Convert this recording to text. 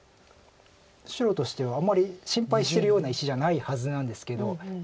白としてはあんまり心配してるような石じゃないはずなんですけど。